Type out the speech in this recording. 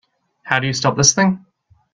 How do you stop this thing?